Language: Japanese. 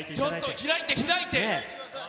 開いて、開いて。